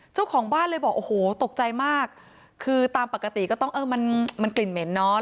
เจ้าของบ้านเลยบอกโอ้โหตกใจมากคือตามปกติก็ต้องเออมันมันกลิ่นเหม็นนอน